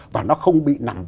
và nó không bị nặng